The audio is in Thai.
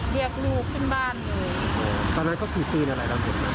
เรียกลูกขึ้นบ้านเลย